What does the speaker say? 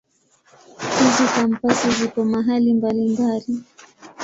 Hizi Kampasi zipo mahali mbalimbali.